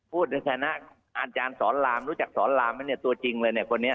ในฐานะอาจารย์สอนรามรู้จักสอนรามไหมเนี่ยตัวจริงเลยเนี่ยคนนี้